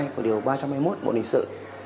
của điều ba trăm hai mươi một bộ lịch sử